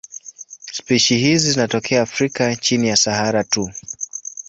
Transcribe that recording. Spishi hizi zinatokea Afrika chini ya Sahara tu.